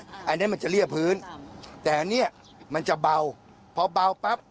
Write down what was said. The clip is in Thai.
อันนี้มันจะเรียบพื้นแต่อันนี้มันจะเบาพอเบาปั๊บ